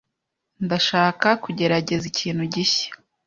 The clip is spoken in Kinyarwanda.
Ndashaka kugerageza ikintu gishya.